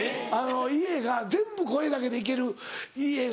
家が全部声だけでいける家が。